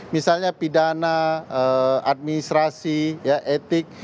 misalnya pidana administrasi etik